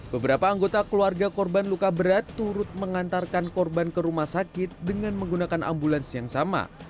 beberapa anggota keluarga korban luka berat turut mengantarkan korban ke rumah sakit dengan menggunakan ambulans yang sama